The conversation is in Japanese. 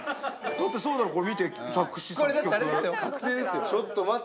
だってそうだろ、見てこれ、作詞作曲。